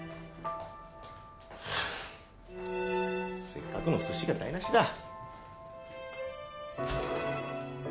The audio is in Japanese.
せっかくの寿司が台無しだ。